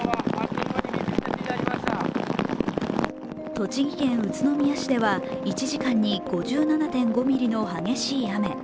栃木県宇都宮市では１時間に５７．５ミリの激しい雨。